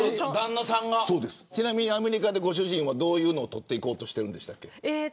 ちなみにアメリカでご主人はどういうのを撮ろうとしてるんでしたっけ。